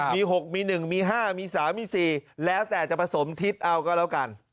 มี๖มี๑มี๕มี๓มี๔แล้วแต่จะผสมทิศเอาก็แล้วกัน